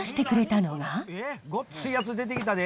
ごっついやつ出てきたで！